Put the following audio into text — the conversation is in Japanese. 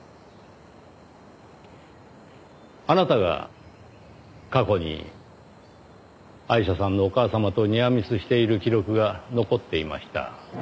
あなたが過去にアイシャさんのお母様とニアミスしている記録が残っていました。